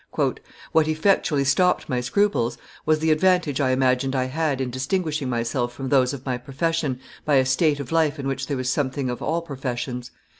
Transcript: "What effectually stopped my scruples was the advantage I imagined I had in distinguishing myself from those of my profession by a state of life in which there was something of all professions.